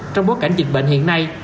trong bối cảnh dịch bệnh hiện nay